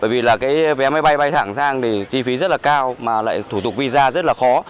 bởi vì vé máy bay thẳng sang thì chi phí rất là cao mà lại thủ tục visa rất là khó